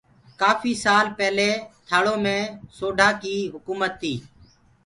ڪآڦي سآل پيلي ٿݪو مي سوڍآ ڪي هڪومت تي